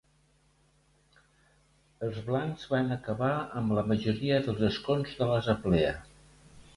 Els blancs van acabar amb la majoria dels escons de l'Assemblea.